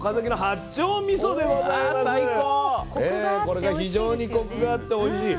これが非常にコクがあっておいしい。